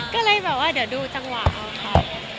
ก็เลยแบบว่าเดี๋ยวดูจังหวะเอาครับ